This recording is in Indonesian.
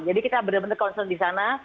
jadi kita benar benar konsul di sana